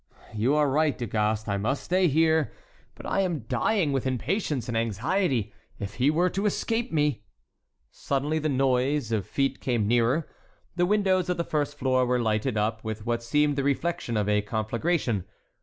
"You are right, Du Gast. I must stay here; but I am dying with impatience and anxiety. If he were to escape me!" Suddenly the noise of feet came nearer—the windows of the first floor were lighted up with what seemed the reflection of a conflagration.